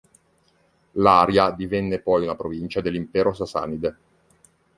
L'Aria divenne poi una provincia dell'Impero Sasanide.